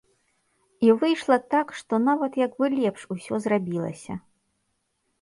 І выйшла так, што нават як бы лепш усё зрабілася.